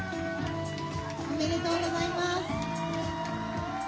おめでとうございます。